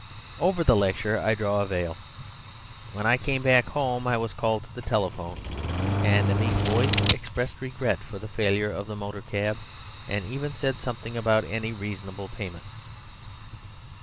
Over the lecture I draw a veil. When I came back home I was called to the telephone, and a meek voice expressed regret for the failure of the motor cab, and even said something about any reasonable payment.